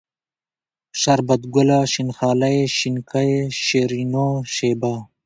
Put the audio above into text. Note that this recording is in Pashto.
شربت گله ، شين خالۍ ، شينکۍ ، شيرينو ، شېبه